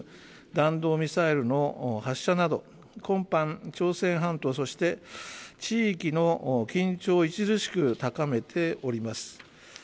弾道ミサイルの発射など今般、朝鮮半島そして、地域の緊張を著しく高めております。